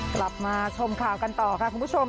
กลับมาชมข่าวกันต่อค่ะคุณผู้ชม